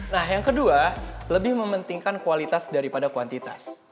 nah yang kedua lebih mementingkan kualitas daripada kuantitas